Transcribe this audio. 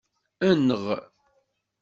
Enɣ.